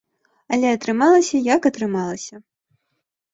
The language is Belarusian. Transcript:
Але атрымалася як атрымалася.